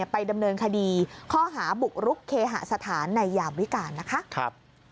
ไปดำเนินคดีข้อหาบุกรุกเคหสถานในยามวิการนะคะ